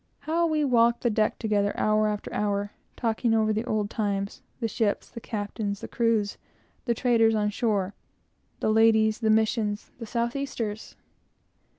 How we walked the deck together, hour after hour, talking over the old times, the ships, the captains, the crews, the traders on shore, the ladies, the Missions, the south easters!